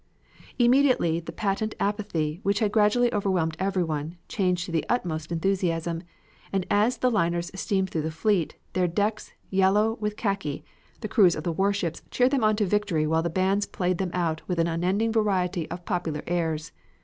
Immediately the patent apathy, which had gradually overwhelmed everyone, changed to the utmost enthusiasm, and as the liners steamed through the fleet, their decks yellow with khaki, the crews of the warships cheered them on to victory while the bands played them out with an unending variety of popular airs.